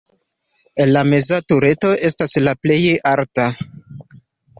La meza tureto estas la plej alta.